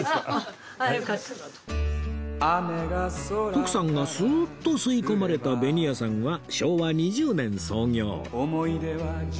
徳さんがスーッと吸い込まれた紅屋さんは昭和２０年創業